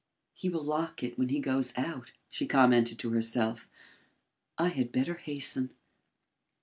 "He will lock it when he goes out," she commented to herself. "I had better hasten."